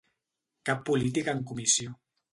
Cap polític en comissió.